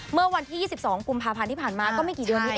เมื่อวันที่๒๒กุมภาพันธ์ที่ผ่านมาก็ไม่กี่เดือนนี้เอง